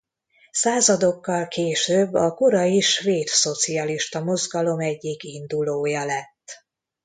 Századokkal később a korai svéd szocialista mozgalom egyik indulója lett.